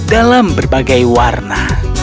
dalam berbagai warna